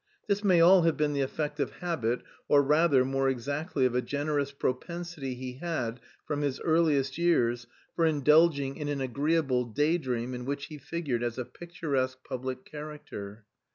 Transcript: This may all have been the effect of habit, or rather, more exactly of a generous propensity he had from his earliest years for indulging in an agreeable day dream in which he figured as a picturesque public character.